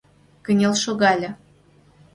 Кынел шогале.